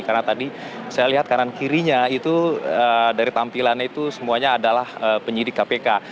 karena tadi saya lihat kanan kirinya itu dari tampilannya itu semuanya adalah penyidik kpk